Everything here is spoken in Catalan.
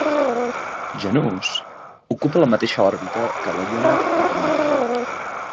Janus ocupa la mateixa òrbita que la lluna Epimeteu.